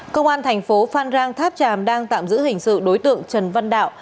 công an thành phố phan rang tháp tràm đang tạm giữ hình sự đối tượng trần văn đạo